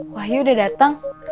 wahyu udah dateng